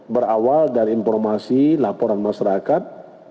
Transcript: berawal dari informasi laporan masyarakat